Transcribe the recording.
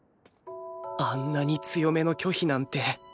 あんなに強めの拒否なんて